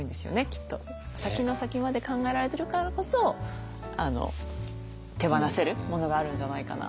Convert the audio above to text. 先の先まで考えられてるからこそ手放せるものがあるんじゃないかな。